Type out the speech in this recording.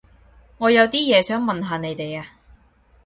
我有啲嘢想問下你哋啊